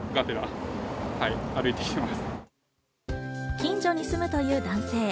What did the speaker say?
近所に住むという男性。